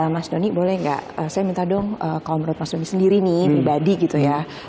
mas doni boleh nggak saya minta dong kalau menurut mas doni sendiri nih pribadi gitu ya